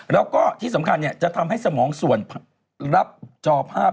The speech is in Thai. แล้วก็ที่สำคัญจะทำให้สมองส่วนรับจอภาพ